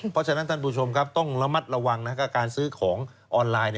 เพราะฉะนั้นท่านผู้ชมครับต้องระมัดระวังนะครับการซื้อของออนไลน์